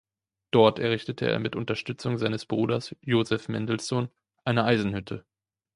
Dort errichtete er mit Unterstützung seines Bruders Joseph Mendelssohn eine Eisenhütte.